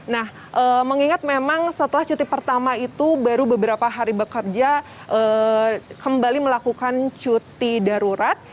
nah mengingat memang setelah cuti pertama itu baru beberapa hari bekerja kembali melakukan cuti darurat